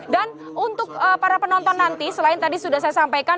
dan untuk para penonton nanti selain tadi sudah saya sampaikan